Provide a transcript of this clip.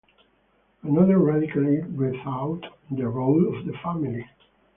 Another radically rethought the role of the family.